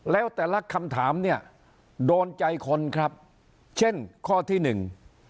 แล้วแต่ละคำถามเนี่ยโดนใจคนครับเช่นข้อที่หนึ่ง